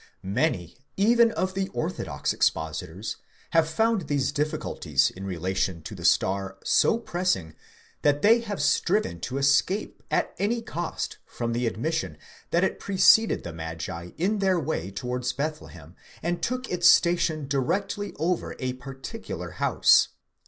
Many, even of the orthodox expositors, have found these difficulties in rela tion to the star so pressing, that they have striven to escape at any cost from the admission that it preceded the magi in their way towards Bethlehem, and: took its station directly over a particular house.